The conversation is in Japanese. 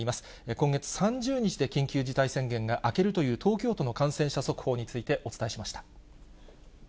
今月３０日で緊急事態宣言が明けるという東京都の感染者速報についてお伝えしました。